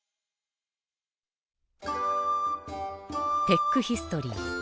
テックヒストリー。